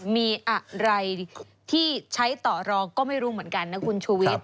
มีอะไรที่ใช้ต่อรองก็ไม่รู้เหมือนกันนะคุณชูวิทย